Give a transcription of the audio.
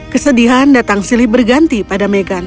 kesedihan datang silly berganti pada megan